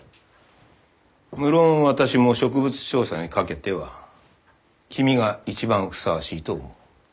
無論私も植物調査にかけては君が一番ふさわしいと思う。